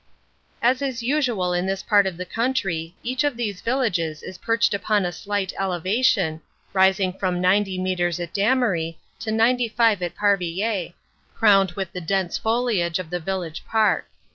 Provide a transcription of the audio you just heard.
As is usual in this part of the country, each of these villages is perched upon a slight elevation, rising from 90 metres at Damery to 95 at Parvillers, crowned with the dense foliage of the village park.